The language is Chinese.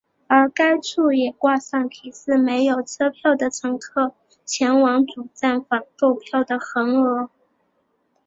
而该处也挂上提示没有车票的乘客前往主站房购票的横额。